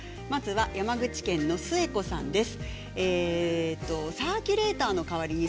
山口県の方です。